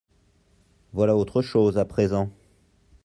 Voilà autre chose, à présent…